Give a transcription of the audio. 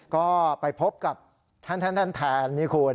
ก็ไปพบกับท่านแทนนี่คุณ